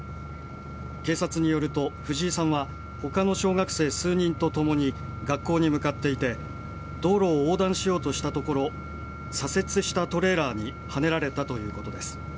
警察によると藤井さんは他の小学生数人とともに学校に向かっていて道路を横断しようとしたところ左折したトレーラーにはねられたということです。